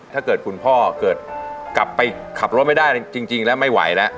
ถ้าเกิดคุณพ่อเกิดกลับไปขับรถไม่ได้จริงแล้วไม่ไหวแล้ว